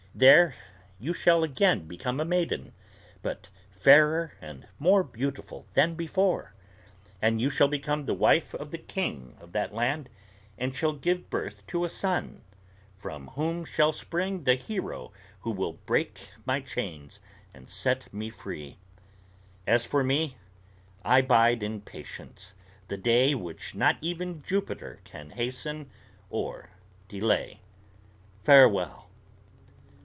There you shall again become a maiden, but fairer and more beautiful than before; and you shall become the wife of the king of that land, and shall give birth to a son, from whom shall spring the hero who will break my chains and set me free. As for me, I bide in patience the day which not even Jupiter can hasten or delay. Farewell!"